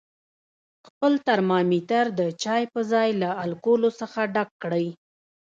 خپل ترمامتر د چای په ځای له الکولو څخه ډک کړئ.